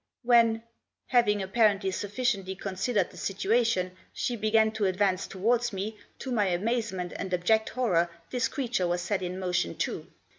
When, having, apparently, sufficiently considered the situation, she began to advance towards me, to my amazement and abject horror this creature was set in piotion too.